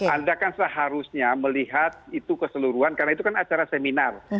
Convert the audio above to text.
anda kan seharusnya melihat itu keseluruhan karena itu kan acara seminar